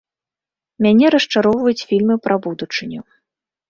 Мяне расчароўваюць фільмы пра будучыню.